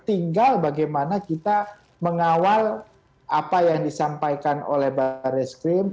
tinggal bagaimana kita mengawal apa yang disampaikan oleh baris krim